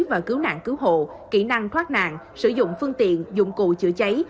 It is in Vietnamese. và cứu nạn cứu hộ kỹ năng thoát nạn sử dụng phương tiện dụng cụ chữa cháy